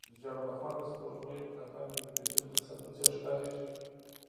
زېړبخونده سپوږمۍ په کفن کې د پېچلي جسد په څېر ښکاریږي.